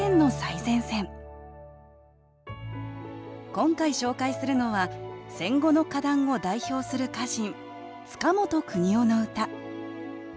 今回紹介するのは戦後の歌壇を代表する歌人